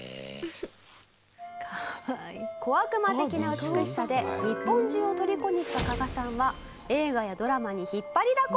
「小悪魔的な美しさで日本中をとりこにした加賀さんは映画やドラマに引っ張りだこ！